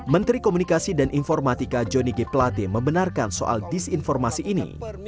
menteri komunikasi dan informatika johnny g plate membenarkan soal disinformasi ini